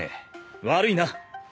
悪いな。